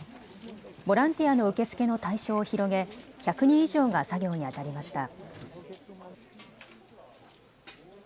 ボランティアの受け付けの対象を広げ、１００人以上が作業にあたりました。